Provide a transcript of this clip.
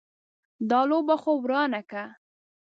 دا لوبه خو ورانه که.